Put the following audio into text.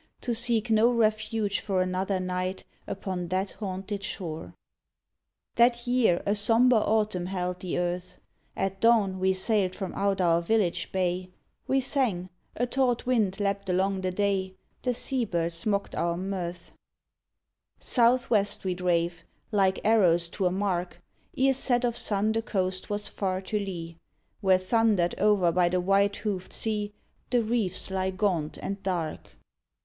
To seek no refuge for another night Upon that haunted shore. That year a sombre autumn held the earth. At dawn we sailed from out our village bay; We sang; a taut wind leapt along the day; The sea birds mocked our mirth. 52 I'HE SWIMMERS Southwest we drave, like arrows to a mark; Ere set of sun the coast was far to lee, Where thundered over by the white hooved sea The reefs lie gaunt and dark.